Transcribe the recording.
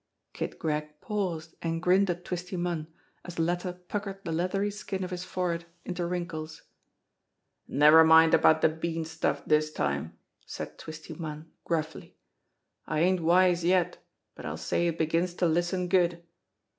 Kid Gregg paused and grinned at Twisty Munn, as the 202 JIMMIE DALE AND THE PHANTOM CLUE latter puckered the leathery skin of his forehead into wrin kles. "Never mind about de bean stuff dis time," said Twisty Munn gruffly. "I ain't wise yet, but I'll say it begins to listen good.